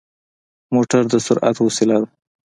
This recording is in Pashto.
موټر د سرعت وسيله ده.